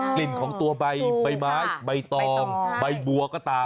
กลิ่นของตัวใบไม้ใบตองใบบัวก็ตาม